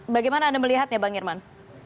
bagaimana anda melihatnya bang irman